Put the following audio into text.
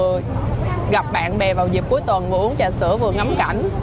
rồi gặp bạn bè vào dịp cuối tuần vừa uống trà sữa vừa ngắm cảnh